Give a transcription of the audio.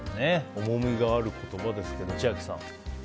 重みがある言葉ですけど千秋さん。